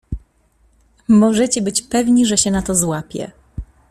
"Możecie być pewni, że się na to złapie."